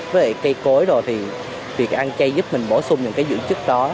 với lại cây cối rồi thì việc ăn chay giúp mình bổ sung những cái dưỡng chất đó